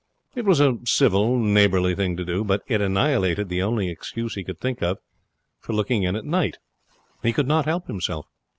It was a civil, neighbourly thing to do, but it annihilated the only excuse he could think of for looking in at night. He could not help himself.